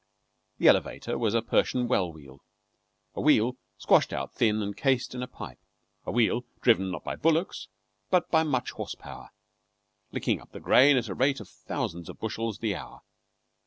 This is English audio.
The elevator was a Persian well wheel a wheel squashed out thin and cased in a pipe, a wheel driven not by bullocks, but by much horse power, licking up the grain at the rate of thou sands of bushels the hour.